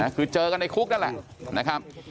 คือเจอกันในคุกนั่นแหละนะครับ